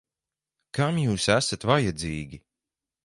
Kam jūs esat vajadzīgi?